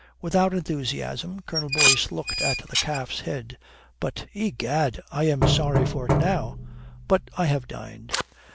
Without enthusiasm Colonel Boyce looked at the calf's head. "But egad, I am sorry for it now but I have dined."